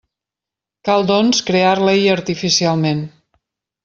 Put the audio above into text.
Cal, doncs, crear-la-hi artificialment.